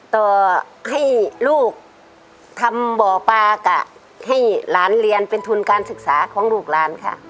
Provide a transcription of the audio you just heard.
ต่อให้ลูกทำบ่อปลากะให้หลานเรียนเป็นทุนการศึกษาของลูกหลานค่ะ